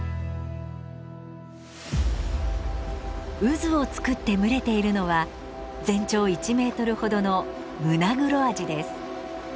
渦を作って群れているのは全長１メートルほどのムナグロアジです。